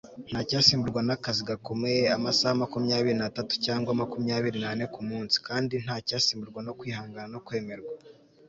nta cyasimburwa nakazi gakomeye, amasaha makumyabiri n'atatu cyangwa makumyabiri n'ane kumunsi. kandi nta cyasimburwa no kwihangana no kwemerwa